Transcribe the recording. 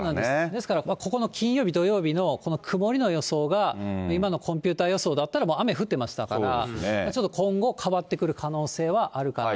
ですからここの金曜日、土曜日のこの曇りの予想が今のコンピューター予想だったら雨降っていましたから、ちょっと今後、変わってくる可能性はあるだろう